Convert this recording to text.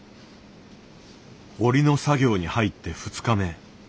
織りの作業に入って２日目。